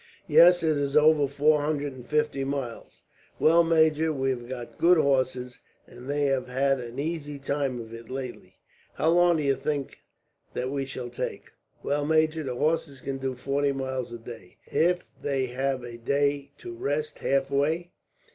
"Yes, it is over four hundred and fifty miles." "Well, major, we have got good horses, and they have had an easy time of it, lately." "How long do you think that we shall take?" "Well, major, the horses can do forty miles a day, if they have a day to rest, halfway.